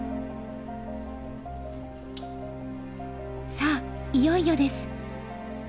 さあいよいよです。